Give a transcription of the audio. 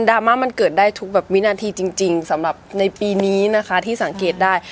ราม่ามันเกิดได้ทุกแบบวินาทีจริงสำหรับในปีนี้นะคะที่สังเกตได้